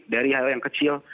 dari hal yang kecil